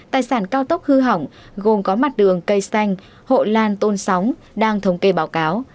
tài sản cao tốc hư hỏng gồm có mặt đường cây xanh hộ lan tôn sóng đang thống kê báo cáo